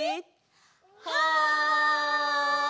はい！